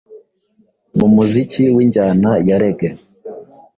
mu muziki w’injyana ya Reggae